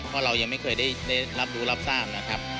เพราะเรายังไม่เคยได้รับรู้รับทราบนะครับ